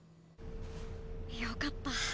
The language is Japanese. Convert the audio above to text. よかった。